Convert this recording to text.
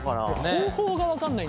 方法が分かんない。